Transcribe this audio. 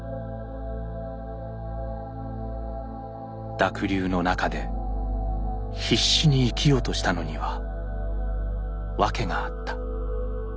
濁流の中で必死に生きようとしたのには訳があった。